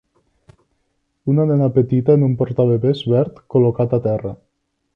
Una nena petita en un portabebès verd col·locat a terra